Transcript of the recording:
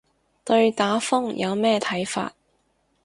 對打風有咩睇法